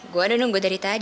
gua udah nunggu dari tadi